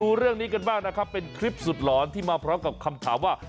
ดูเรื่องนี้กันบ้างนะครับเป็นคลิปสุดหลอนที่มาพร้อมกับคำถามว่า